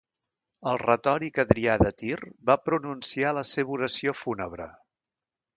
El retòric Adrià de Tir va pronunciar la seva oració fúnebre.